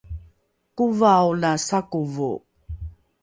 kovao la sakovo